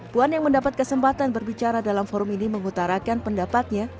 puan yang mendapat kesempatan berbicara dalam forum ini mengutarakan pendapatnya